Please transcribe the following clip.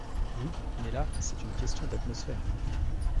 Oui, mais là, c’est une question d’atmosphère